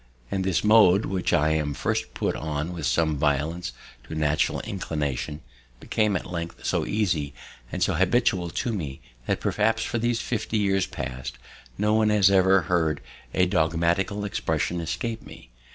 And this mode, which I at first put on with some violence to natural inclination, became at length so easy, and so habitual to me, that perhaps for these fifty years past no one has ever heard a dogmatical expression escape me.